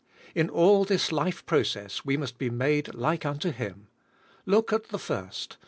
In all this life process we must be made like unto Him. Look at the first.